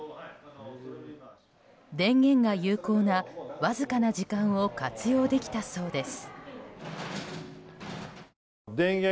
電源が有効なわずかな時間を活用できたそうです。